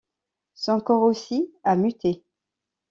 Son corps aussi a muté.